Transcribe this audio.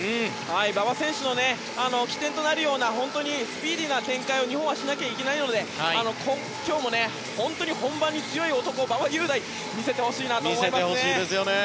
馬場選手の起点となるような本当にスピーディーな展開を日本はしないといけないので今日も本当に本番に強い男、馬場雄大を見せてほしいですね。